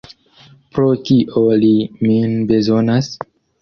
Por kio li min bezonas?